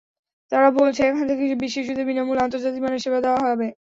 তারা বলছে, এখান থেকে শিশুদের বিনা মূল্যে আন্তর্জাতিক মানের সেবা দেওয়া যাবে।